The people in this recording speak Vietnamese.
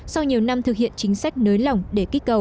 sau nhiều năm thực hiện chính sách nới lỏng để kích cầu